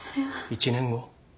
１年後？